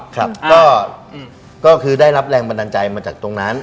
ครับก็คือได้รับแรงบันดาลใจมาจากตรงนั้น